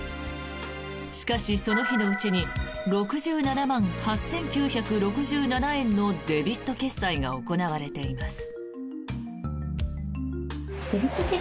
しかし、その日のうちに６７万８９６７円のデビット決済が行われています。